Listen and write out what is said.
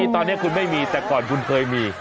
ตอนนี้คุณไม่มีแต่ก่อนคุณเคยมี